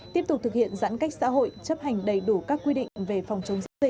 tiếp tục thực hiện giãn cách xã hội chấp hành đầy đủ các quy định về phòng